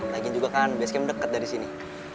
lagi juga kan base camp deket dari sini